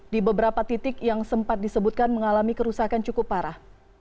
di beberapa titik yang sempat disebutkan mengalami kerusakan cukup parah